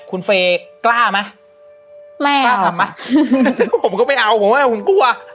คุณเฟย์กล้าไหมไม่กล้าทำไหมผมก็ไม่เอาผมว่าผมกลัว